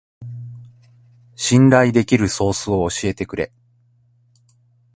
信頼できるソースを教えてくれ